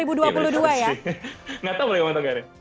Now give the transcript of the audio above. gak tahu boleh gak mau tegarin